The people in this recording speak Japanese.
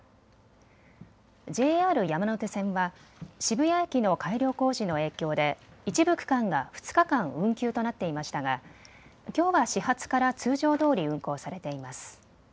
ＪＲ山手線は渋谷駅の改良工事の影響で一部区間が２日間、運休となっていましたがきょうは始発から通常どおり運行されています。